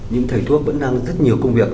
nhưng thầy thuốc vẫn đang rất nhiều công việc